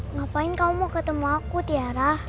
ngapain kamu mau ketemu aku tiara